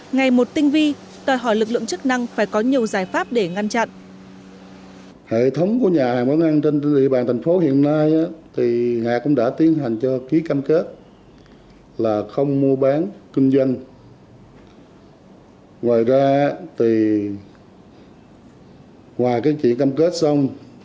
ngày một tinh vi tòa hỏi lực lượng chức năng phải có nhiều giải pháp để ngăn chặn